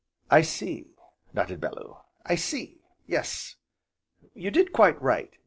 "I see," nodded Bellew, "I see! yes, you did quite right.